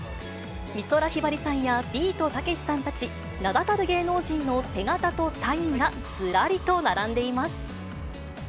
美空ひばりさんやビートたけしさんたち名だたる芸能人の手型とサインがずらりと並んでいます。